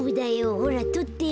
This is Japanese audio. ほらとって。